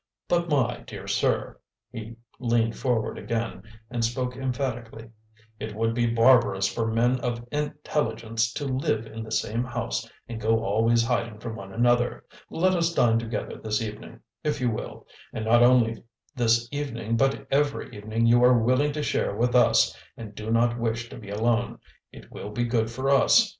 But, my dear sir" he leaned forward again, and spoke emphatically "it would be barbarous for men of intelligence to live in the same house and go always hiding from one another! Let us dine together this evening, if you will, and not only this evening but every evening you are willing to share with us and do not wish to be alone. It will be good for us.